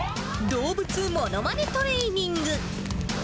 動物ものまねトレーニング。